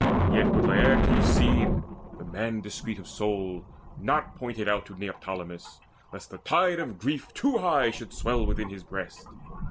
Yet would Laertes' seed, The man discreet of soul, not point it out To Neoptolemus, lest the tide of grief Too high should swell within his breast.